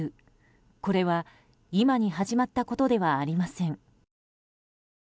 これは今に始まったことではありません。